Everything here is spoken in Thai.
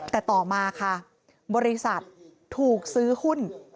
แต่ต่อมาค่ะบริษัทถูกซื้อหุ้น